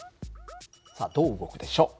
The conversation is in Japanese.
さあどう動くでしょう？